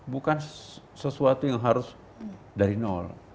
bukan sesuatu yang harus dari nol